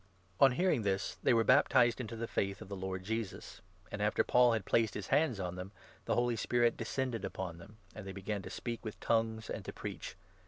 On hearing this, they were baptized into the Faith of the Lord 5 Jesus, and, after Paul had placed his hands on them, the Holy 6 Spirit descended upon them, and they began to speak with ' tongues ' and to preach.